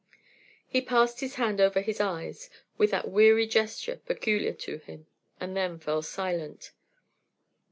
He passed his hand over his eyes with that weary gesture peculiar to him, and then fell silent.